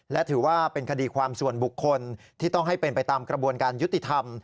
และถือว่าเป็นคดีความส่วนบุคคลที่ต้องให้เป็นไปตามกระบวนการยุติธรรม